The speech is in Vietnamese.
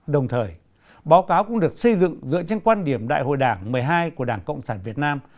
đồng thời báo cáo cũng được xây dựng dựa trên quan điểm đại hội đảng một mươi hai của đảng cộng sản việt nam